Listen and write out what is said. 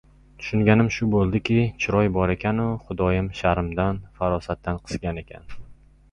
Tushunganim shu boʻldiki, chiroyi bor ekanu, Xudoyim sharmdan, farosatdan qisgan ekan!